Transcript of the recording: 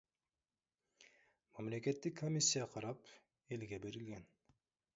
Мамлекеттик комиссия карап, элге берилген.